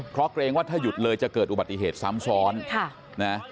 เพราะเกรงว่าถ้าหยุดเลยจะเกิดอุบัติเหตุซ้ำซ้อน